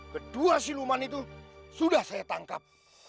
kedua siluman itu sudah saya tangkap